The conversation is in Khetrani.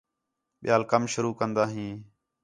ٻِیال کم شروع کندا ہیں